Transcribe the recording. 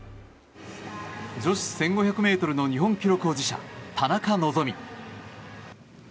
女子１５００ｍの日本記録保持者、田中希実。